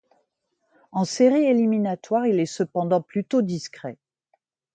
En séries éliminatoires, il est cependant plutôt discret.